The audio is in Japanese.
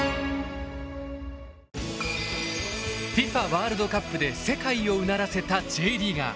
ワールドカップで世界をうならせたＪリーガー。